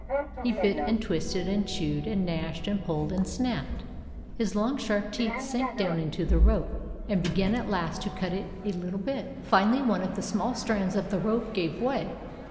He bit and twisted and chewed and gnashed and pulled and snapped. His long sharp teeth sank down into the rope, and began at last to cut it a little bit. Finally one of the small strands of the rope gave way.